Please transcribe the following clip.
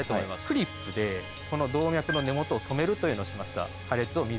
クリップでこの動脈の根元をとめるというのをしました。